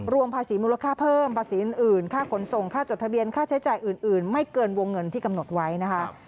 ภาษีมูลค่าเพิ่มภาษีอื่นค่าขนส่งค่าจดทะเบียนค่าใช้จ่ายอื่นไม่เกินวงเงินที่กำหนดไว้นะคะ